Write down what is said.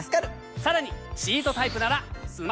さらにシートタイプならスマホまで。